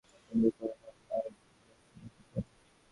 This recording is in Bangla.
জয়সিংহ প্রতিমার দিকে চাহিয়া জড়হস্তে কহিলেন, কেন মা, আজ এমন অপ্রসন্ন কেন?